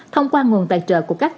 thông qua nguồn tài trợ của bộ y tế